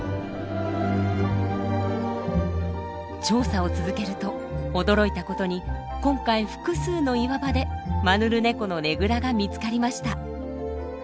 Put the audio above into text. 調査を続けると驚いたことに今回複数の岩場でマヌルネコのねぐらが見つかりました！